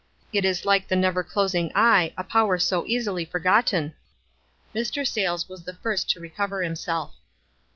It is like the uever closing Eye — a power so easily forgotten. Mr. Sayles was the first to recover himself.